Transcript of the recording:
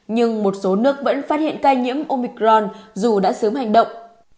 nhưng một số nước vẫn phát hiện ca nhiễm omicron dù đã sớm hành động